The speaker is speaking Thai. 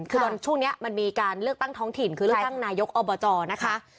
คือช่วงนี้มันมีการเลือกตั้งท้องถิ่นคือเลือกตั้งนายกอบจนะคะ